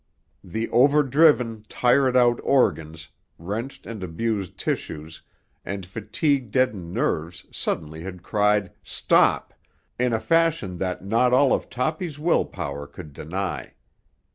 The overdriven, tired out organs, wrenched and abused tissues, and fatigue deadened nerves suddenly had cried, "Stop!" in a fashion that not all of Toppy's will power could deny.